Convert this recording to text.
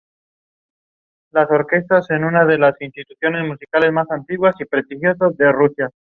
Al no cumplirse la promesa, estos soldados provocaron desórdenes en Sicilia.